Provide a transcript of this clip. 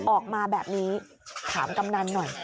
ออกมาแบบนี้ถามกำนันหน่อย